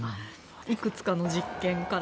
いくつかの実験から。